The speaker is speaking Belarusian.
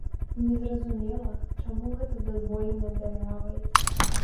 Незразумела, чаму гэта дазволена дзяржавай.